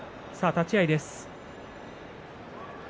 立ち合いです。